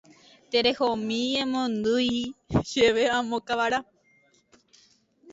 Terehomi emondýi chéve amo kavara.